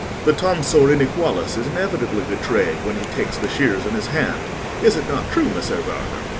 The tonsor inequalis is inevitably betrayed when he takes the shears in his hand; is it not true, Messer Bardo?